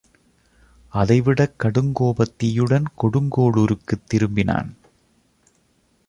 அதைவிடக் கடுங்கோபத்தீயுடன் கொடுங்கோளுருக்குத் திரும்பினான்.